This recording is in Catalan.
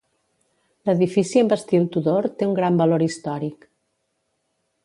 L'edifici amb estil Tudor té un gran valor històric.